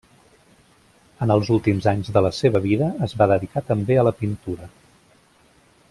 En els últims anys de la seva vida, es va dedicar també a la pintura.